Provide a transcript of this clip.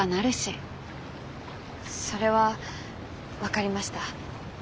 それは分かりました。